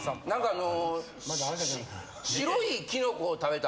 あの。